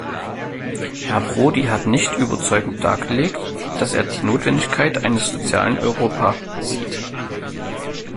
Herr Prodi hat nicht überzeugend dargelegt, dass er die Notwendigkeit eines sozialen Europa sieht.